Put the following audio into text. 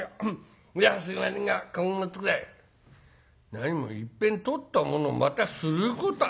「何もいっぺん取ったものをまたすることは」。